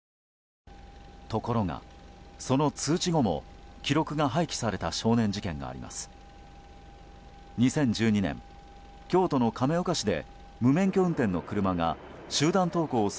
ところが、その通知後も記録が廃棄された少年事件があります。